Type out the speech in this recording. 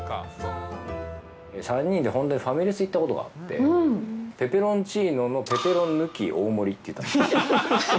３人で本当にファミレス行ったことがあって、ペペロンチーノのペペロン抜き大盛りって言った。